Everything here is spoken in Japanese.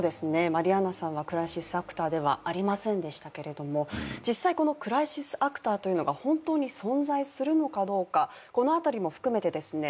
マリアンナさんはクライシスアクターではありませんでしたけれども実際このクライシスアクターというのが本当に存在するのかどうかこのあたりも含めてですね